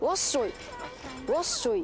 ワッショイ。